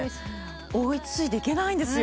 追い付いていけないんですよ。